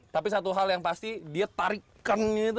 tapi satu hal yang pasti dia tarikannya itu